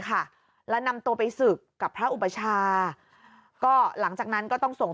ค่ะแล้วนำตัวไปศึกกับพระอุปชาก็หลังจากนั้นก็ต้องส่ง